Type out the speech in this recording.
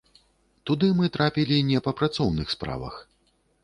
Туды мы трапілі не па працоўных справах.